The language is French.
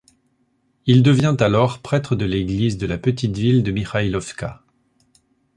Il devient alors prêtre de l'église de la petite ville de Mikhailovka.